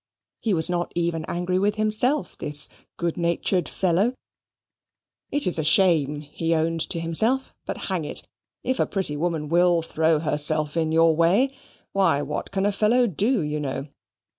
He was not even angry with himself, this good natured fellow. It is a shame, he owned to himself; but hang it, if a pretty woman WILL throw herself in your way, why, what can a fellow do, you know?